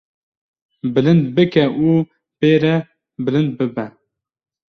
bilind bike û pê re bilind bibe.